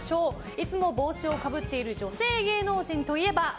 いつも帽子をかぶっている女性芸能人といえば。